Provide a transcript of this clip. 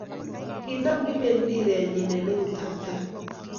Kinam kibet mpirenyi eng eutab tai